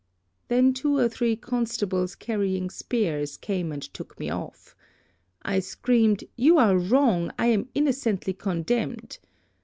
"Then two or three constables carrying spears came and took me off. I screamed, 'You are wrong, I am innocently condemned.'